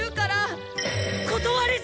断れず！